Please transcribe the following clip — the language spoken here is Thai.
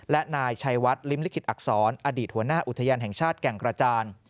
และนายชัยวัดลิ้มลิขิตอักษรอดีตหัวหน้าอุทยานแห่งชาติแก่งกระจาน